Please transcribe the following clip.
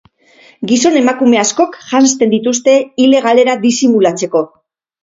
Gizon-emakume askok janzten dituzte ile-galera disimulatzeko.